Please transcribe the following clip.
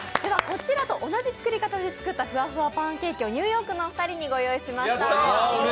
こちらと同じ作り方で作ったふわふわパンケーキをニューヨークのお二人にご用意しました。